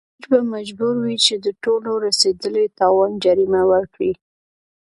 امیر به مجبور وي چې د ټولو رسېدلي تاوان جریمه ورکړي.